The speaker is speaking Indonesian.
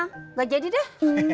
nggak jadi deh